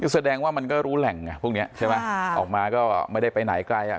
แสดงว่ามันก็รู้แหล่งไงพวกนี้ใช่ไหมออกมาก็ไม่ได้ไปไหนไกลอ่ะ